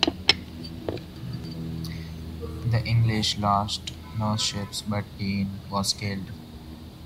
The English lost no ships, but Deane was killed.